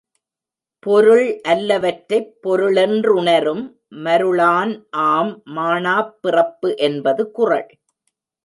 பொருள்அல்ல வற்றைப் பொருளென் றுணரும் மருளான்ஆம் மாணாப் பிறப்பு என்பது குறள்.